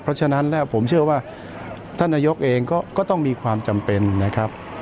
เพราะฉะนั้นแล้วผมเชื่อว่าท่านนายกเองก็ต้องมีความจำเป็นนะครับ